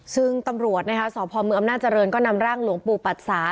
ซึ่งตำรวจนะคะสพมอำนาจริงก็นำร่างหลวงปู่ปัดสา